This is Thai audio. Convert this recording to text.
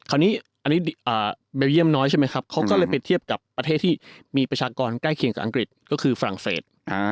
คราวนี้อันนี้เบลเยี่ยมน้อยใช่ไหมครับเขาก็เลยไปเทียบกับประเทศที่มีประชากรใกล้เคียงกับอังกฤษก็คือฝรั่งเศส